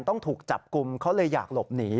ต้องถูกจับกลุ่มเขาเลยอยากหลบหนี